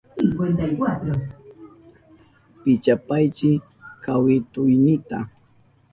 Pichapaychi kawituynita.